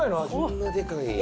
こんなでかいんや。